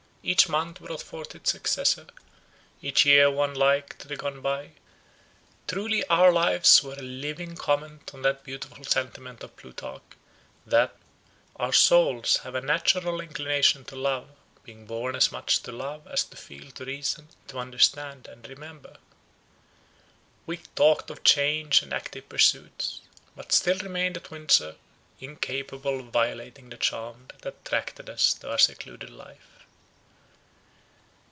Each month brought forth its successor, each year one like to that gone by; truly, our lives were a living comment on that beautiful sentiment of Plutarch, that "our souls have a natural inclination to love, being born as much to love, as to feel, to reason, to understand and remember." We talked of change and active pursuits, but still remained at Windsor, incapable of violating the charm that attached us to our secluded life.